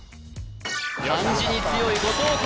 漢字に強い後藤弘